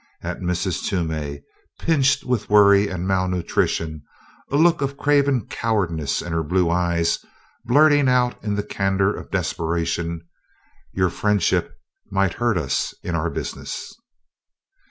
at Mrs. Toomey, pinched with worry and malnutrition, a look of craven cowardice in her blue eyes, blurting out in the candor of desperation, "Your friendship might hurt us in our business!"